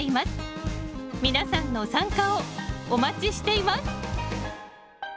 皆さんの参加をお待ちしています！